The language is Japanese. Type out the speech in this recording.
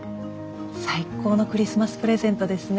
最高のクリスマスプレゼントですね。